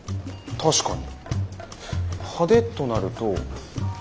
確かに。